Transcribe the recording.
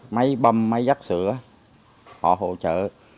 máy bâm máy gắt sữa họ hỗ trợ